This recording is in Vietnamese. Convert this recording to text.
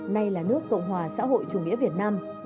nay là nước cộng hòa xã hội chủ nghĩa việt nam